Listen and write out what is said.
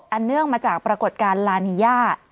เนื่องมาจากปรากฏการณ์ลานีย่า